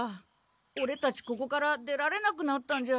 オレたちここから出られなくなったんじゃ。